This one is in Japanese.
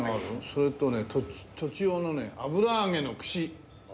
それとね栃尾のね油揚げの串。